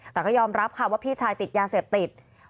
แต่ก็ยอมรับค่ะว่าพี่ชายติดยาเสพติด